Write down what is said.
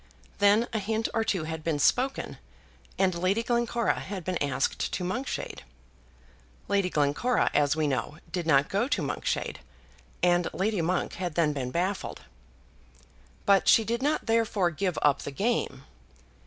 Then a hint or two had been spoken, and Lady Glencora had been asked to Monkshade. Lady Glencora, as we know, did not go to Monkshade, and Lady Monk had then been baffled. But she did not therefore give up the game.